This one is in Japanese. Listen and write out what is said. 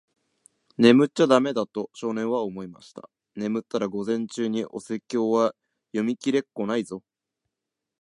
「眠っちゃだめだ。」と、少年は思いました。「眠ったら、午前中にお説教は読みきれっこないぞ。」